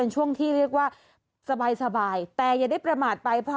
ช่วงที่เรียกว่าสบายแต่อย่าได้ประมาทไป